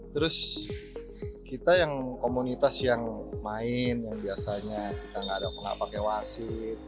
terus kita yang komunitas yang main yang biasanya kita nggak pakai wasit